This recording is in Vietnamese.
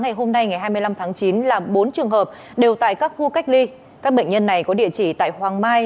ngày hôm nay ngày hai mươi năm tháng chín là bốn trường hợp đều tại các khu cách ly các bệnh nhân này có địa chỉ